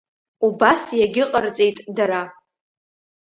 Убас иагьыҟарҵеит дара.